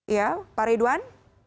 ya pak ridwan